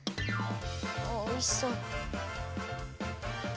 おいしそう。